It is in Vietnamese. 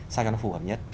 sao cho nó phù hợp nhất